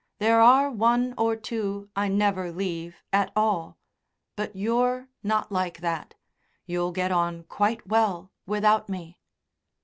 There are one or two I never leave at all. But you're not like that; you'll get on quite well without me."